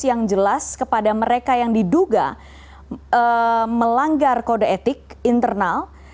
yang jelas kepada mereka yang diduga melanggar kode etik internal